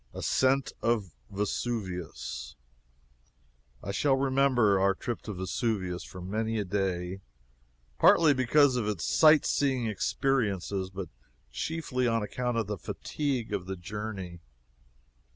ASCENT OF VESUVIUS. I shall remember our trip to Vesuvius for many a day partly because of its sight seeing experiences, but chiefly on account of the fatigue of the journey.